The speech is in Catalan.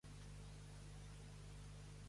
Quan va néixer Maria Assumpció Codina?